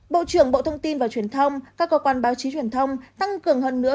bộ trưởng bộ thông tin và truyền thông các cơ quan báo chí truyền thông tăng cường hơn nữa